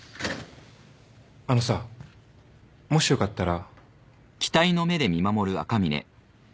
あのさもしよかったら。